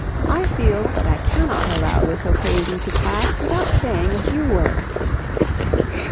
I feel that I cannot allow this occasion to pass without saying a few words."